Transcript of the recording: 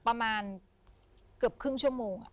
ประมาณเกือบครึ่งชั่วโมง